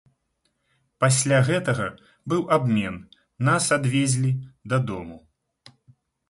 Пасля гэтага быў абмен, нас адвезлі дадому.